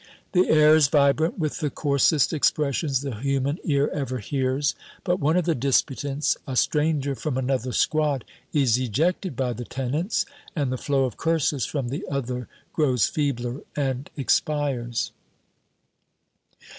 The air is vibrant with the coarsest expressions the human ear ever hears. But one of the disputants, a stranger from another squad, is ejected by the tenants, and the flow of curses from the other grows feebler and expires.